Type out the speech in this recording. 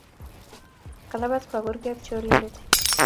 Kalapat kwo kurket chorindet.